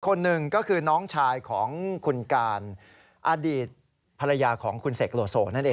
คนหนึ่งคือน้องชายของคุณการย์อดีตพละยาของคุณเสกโลโส